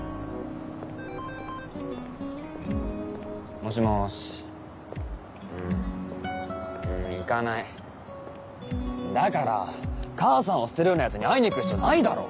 もしもしうん行かないだから母さんを捨てるようなヤツに会いに行く必要ないだろ！